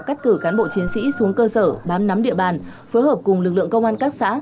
cắt cử cán bộ chiến sĩ xuống cơ sở bám nắm địa bàn phối hợp cùng lực lượng công an các xã